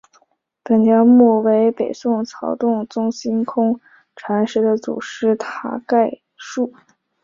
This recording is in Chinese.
本条目为北宋曹洞宗心空禅师的祖师塔概述。